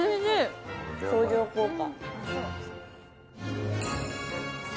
相乗効果。